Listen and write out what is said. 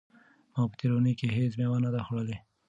ما په تېره اونۍ کې هیڅ مېوه نه ده خوړلې.